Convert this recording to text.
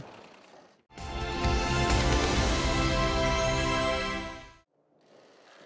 ngoại truyền thông tin